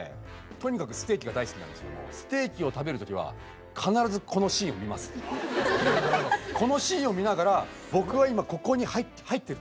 とにかくステーキが大好きなんですけどもこのシーンを見ながら僕は今ここに入ってると。